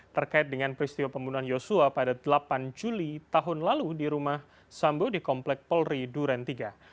terkait dengan peristiwa pembunuhan yosua pada delapan juli tahun lalu di rumah sambo di komplek polri duren tiga